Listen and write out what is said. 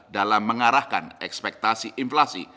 dalam mengarahkan ekspektasi inflasi